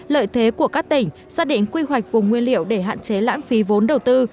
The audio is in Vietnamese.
lợi thế của các tỉnh xác định quy hoạch vùng nguyên liệu để hạn chế lãng phí vốn đầu tư